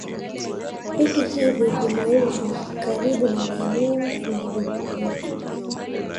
Vitu hivi vinauzwa karibu na maeneo yenye vivutio